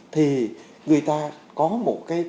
thì người ta có một cái